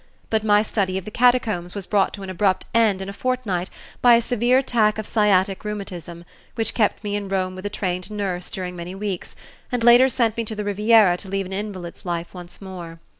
But my study of the Catacombs was brought to an abrupt end in a fortnight by a severe attack of sciatic rheumatism, which kept me in Rome with a trained nurse during many weeks, and later sent me to the Riviera to lead an invalid's life once more.